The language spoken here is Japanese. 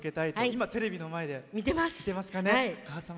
今、テレビの前で見てますかね。